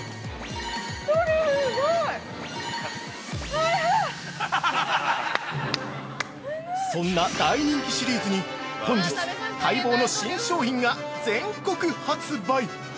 トリュフ、すごい！◆そんな大人気シリーズに本日、待望の新商品が全国発売。